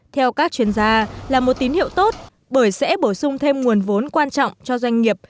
theo các chuyên gia là một tín hiệu tốt bởi sẽ bổ sung thêm nguồn vốn quan trọng cho doanh nghiệp